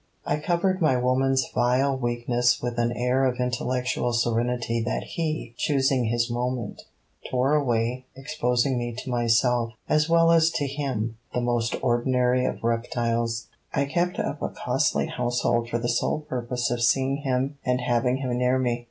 I covered my woman's vile weakness with an air of intellectual serenity that he, choosing his moment, tore away, exposing me to myself, as well as to him, the most ordinary of reptiles. I kept up a costly household for the sole purpose of seeing him and having him near me.